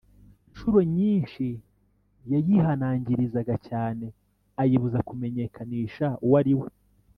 incuro nyinshi yayihanangirizaga cyane ayibuza kumenyekanisha uwo ari we